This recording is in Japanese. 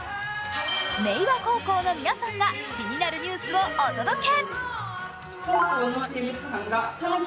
明和高校の皆さんが気になるニュースをお届け。